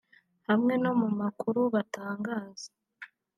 hamwe no mu makuru batangaza